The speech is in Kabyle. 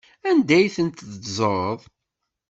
Anda ay ten-teddzeḍ?